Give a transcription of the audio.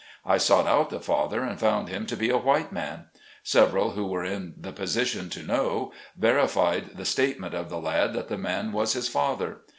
I sought out the father and found him to be a white man. Several who were in the position to know, verified the state ment of the lad that the man was his father.